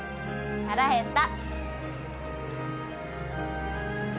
腹減った。